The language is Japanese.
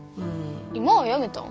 今はやめたん？